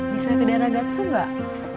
bisa ke daerah gatsu nggak